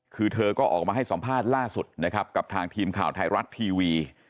คือเธอก็ออกมาให้สัมภาษณ์ล่าสุดนะครับกับทางทีมข่าวไทยรัฐทีวี